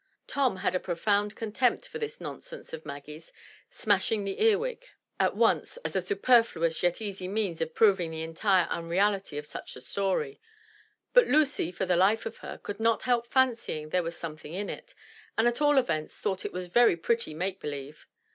Tom had a profound contempt for this nonsense of Maggie's, smashing the earwig at 233 M Y BOOK HOUSE once as a superfluous yet easy means of proving the entire un reality of such a story; but Lucy, for the life of her, could not help fancying there was something in it, and at all events thought it was very pretty make believe.